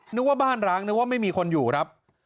นึกว่าบ้านร้างนึกว่าไม่มีคนอยู่ครับ